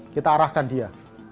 kita arahkan dia